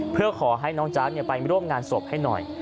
เพื่อขอให้น้องจ๊ะไปร่วมงานศพให้หน่อย